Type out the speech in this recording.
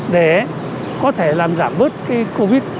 để có thể làm giảm bớt covid một mươi chín